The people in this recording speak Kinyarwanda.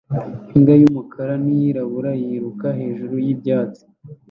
Imbwa y'umukara n'iyirabura yiruka hejuru y'ibyatsi